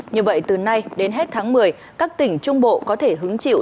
như vậy từ nay đến hết tháng một mươi các tỉnh trung bộ có thể hứng chịu